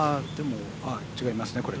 違いますね、これ。